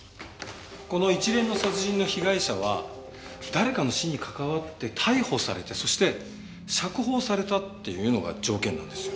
この一連の殺人の被害者は誰かの死に関わって逮捕されてそして釈放されたっていうのが条件なんですよ。